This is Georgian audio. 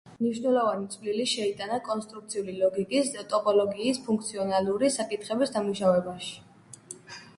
მნიშვნელოვანი წვლილი შეიტანა კონსტრუქციული ლოგიკის, ტოპოლოგიის, ფუნქციონალური საკითხების დამუშავებაში.